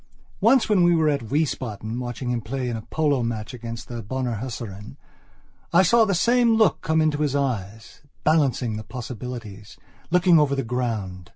Once when we were at Wiesbaden watching him play in a polo match against the Bonner Hussaren I saw the same look come into his eyes, balancing the possibilities, looking over the ground.